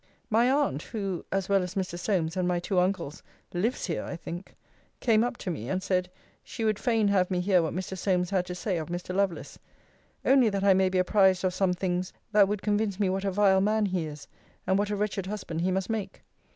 My aunt, who (as well as Mr. Solmes, and my two uncles) lives here, I think, came up to me, and said, she would fain have me hear what Mr. Solmes had to say of Mr. Lovelace only that I may be apprized of some things, that would convince me what a vile man he is, and what a wretched husband he must make.